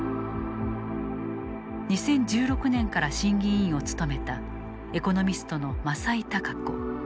２０１６年から審議委員を務めたエコノミストの政井貴子。